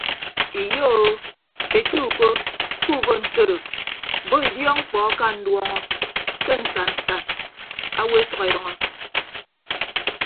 Iyo o ete uko kuubo ntoro bo idiọk mkpọ aka nduọñọ ke nsan nsan awo esʌk edʌñọ.